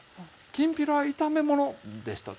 きんぴらは炒め物でした炒め物ですか？